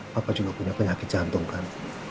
papa juga punya penyakit jantung kan